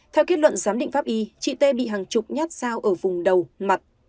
theo kết luận giám định pháp y chị t bị hàng chục nhát dao ở vùng đầu mặt